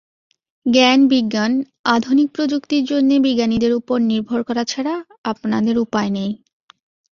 জ্ঞান বিজ্ঞান, আধুনিক প্রযুক্তির জন্যে বিজ্ঞানীদের উপর নির্ভর করা ছাড়া আপনাদের উপায় নেই।